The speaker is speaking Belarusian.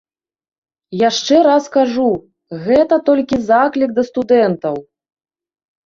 Яшчэ раз кажу, гэта толькі заклік да студэнтаў.